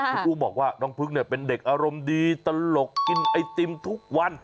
คุณผู้บอกว่าน้องพึกเนี่ยเป็นเด็กอารมณ์ดีตลกกินไอติมทุกวัน